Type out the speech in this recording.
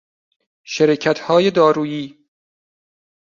شرکتهای دارویی